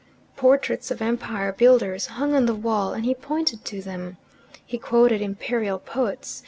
Portraits of empire builders hung on the wall, and he pointed to them. He quoted imperial poets.